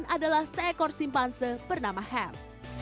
adalah seekor simpanse bernama ham